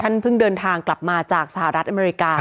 เพิ่งเดินทางกลับมาจากสหรัฐอเมริกา